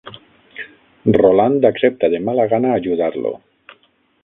Roland accepta de mala gana ajudar-lo.